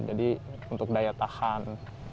jadi untuk daya tahan